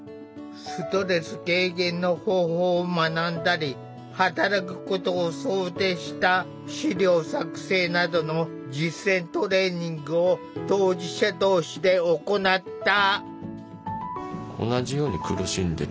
ストレス軽減の方法を学んだり働くことを想定した資料作成などの実践トレーニングを当事者同士で行った。